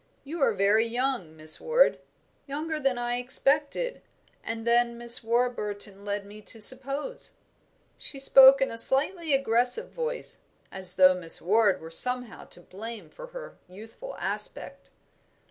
You are very young, Miss Ward younger than I expected, and than Miss Warburton led me to suppose." She spoke in a slightly aggressive voice, as though Miss Ward were somehow to blame for her youthful aspect.